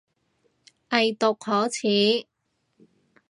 偽毒可恥